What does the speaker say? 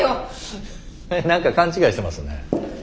フフッ何か勘違いしてますね。